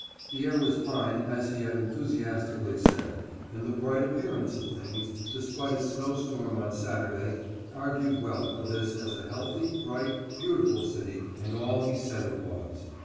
The air was fine, as he had enthusiastically said, and the bright appearance of things, despite a snowstorm on Saturday, argued well for this as a healthy, bright, beautiful city and all he said it was.